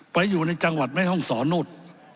อยู่ในจังหวัดแม่ห้องศรนู่น